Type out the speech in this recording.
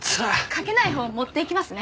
書けないほう持っていきますね。